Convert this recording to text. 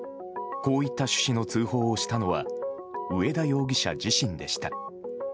こういった趣旨の通報をしたのは上田容疑者自身でした。